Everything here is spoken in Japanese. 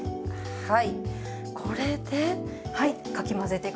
はい。